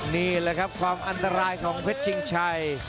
นี่แหละครับความอันตรายของเพชรชิงชัย